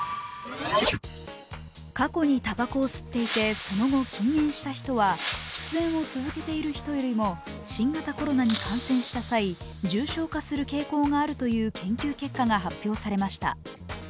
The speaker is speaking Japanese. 過去にたばこを吸っていてその後、禁煙した人は喫煙を続けている人よりも新型コロナに感染した際、重症化する傾向があるという研究結果が発表されました。